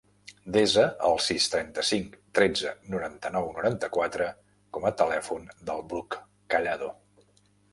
Desa el sis, trenta-cinc, tretze, noranta-nou, noranta-quatre com a telèfon del Bruc Callado.